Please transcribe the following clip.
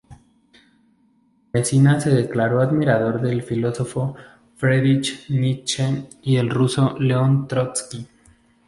Mesina se declaró admirador del filósofo Friedrich Nietzsche y el ruso León Trotsky.